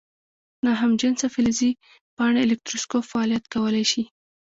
ناهمجنسه فلزي پاڼې الکتروسکوپ فعالیت کولی شي؟